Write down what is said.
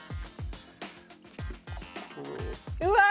うわ！